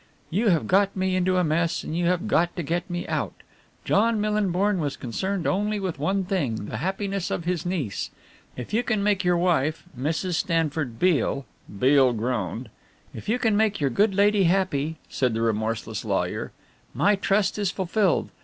You have got me into a mess and you have got to get me out. John Millinborn was concerned only with one thing the happiness of his niece. If you can make your wife, Mrs. Stanford Beale" (Beale groaned), "if you can make your good lady happy," said the remorseless lawyer, "my trust is fulfilled.